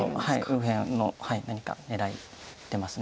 右辺の何か狙ってます。